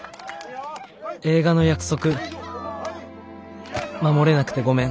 映画の約束守れなくてごめん」。